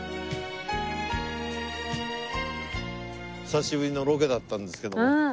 久しぶりのロケだったんですけども。